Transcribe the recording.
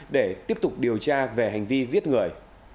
để tiếp tục điều tra về hành vi giết người